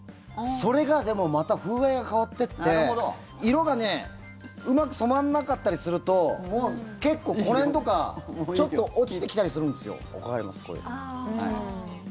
それがでもまた風合いが変わってって色がうまく染まんなかったりすると結構、この辺とかちょっと落ちてきたりするんですよ。